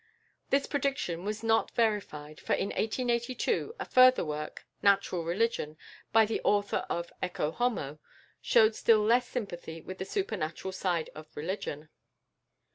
The prediction was not verified, for in 1882 a further work, "Natural Religion," by the Author of "Ecce Homo," showed still less sympathy with the supernatural side of religion.